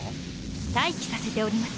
待機させております。